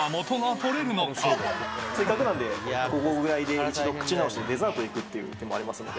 せっかくなので、ここぐらいで、一度、お口直しで、デザートいくって言うてもありますので。